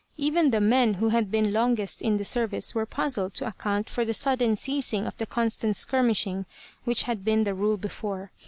Even the men who had been longest in the service were puzzled to account for the sudden ceasing of the constant skirmishing which had been the rule before.